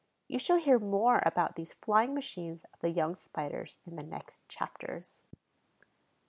You shall hear more about these flying machines of the young Spiders in the next chapters.